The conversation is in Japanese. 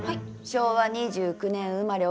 昭和２９年生まれ